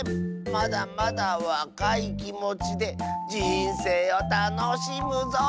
まだまだわかいきもちでじんせいをたのしむぞ！